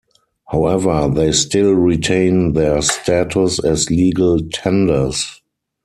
However, they still retain their status as legal tenders.